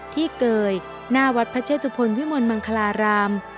เกยหน้าวัดพระเชตุพลวิมลมังคลาราม